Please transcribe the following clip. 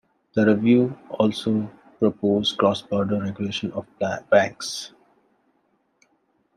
The review also proposed cross-border regulation of banks.